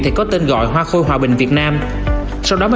thì có tên gọi hoa khôi hòa bình việt nam